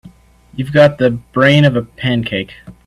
You've got the brain of a pancake.